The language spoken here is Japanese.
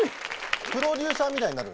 プロデューサーみたいになる。